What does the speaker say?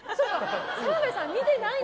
澤部さん、見てないのか。